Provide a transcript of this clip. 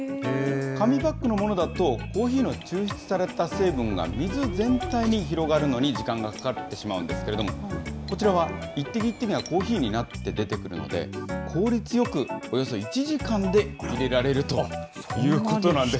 紙パックのものだとコーヒーの抽出された成分が水全体に広がるのに時間がかかってしまうんですけれども、こちらは一滴一滴がコーヒーになって出てくるので、効率よく、およそ１時間でいれられるということなんです。